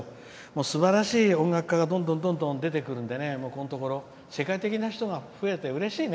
すばらしい音楽家がどんどん出てきますのでここのところ世界的な人が増えてうれしいね。